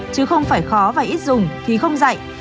chứ không phải khó và ít dùng thì không dạy